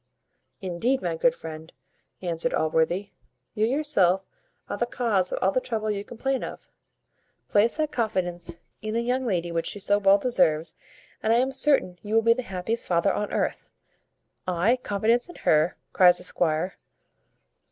"Indeed, my good friend," answered Allworthy, "you yourself are the cause of all the trouble you complain of. Place that confidence in the young lady which she so well deserves, and I am certain you will be the happiest father on earth." "I confidence in her?" cries the squire.